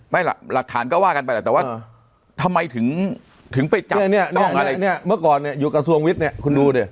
ไม่ล่ะหลักฐานก็ว่ากันไปแล้วแต่ว่าเออทำไมถึงถึงไปจับเนี้ยเนี้ยเนี้ยเนี้ยเมื่อก่อนเนี้ยอยู่กระทรวงวิทย์เนี้ยคุณดูดิ